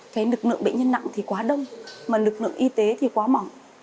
cái lực lượng bệnh nhân nặng thì quá đông mà lực lượng y tế thì quá mỏng